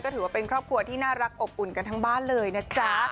ถือว่าเป็นครอบครัวที่น่ารักอบอุ่นกันทั้งบ้านเลยนะจ๊ะ